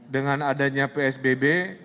dengan adanya psbb